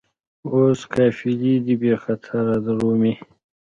اوس قافلې دي بې خطره درومي